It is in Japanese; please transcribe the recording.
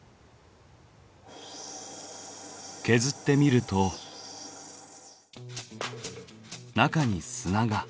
削ってみると中に砂が。